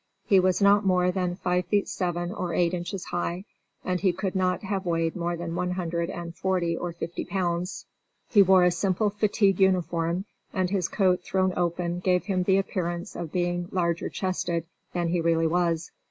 He was not more than five feet seven or eight inches high, and he could not have weighed more than one hundred and forty or fifty pounds. He wore a simple fatigue uniform, and his coat thrown open gave him the appearance of being larger chested than he really was.